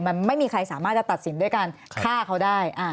มันไม่มีใครสามารถจะตัดสินด้วยการฆ่าเขาได้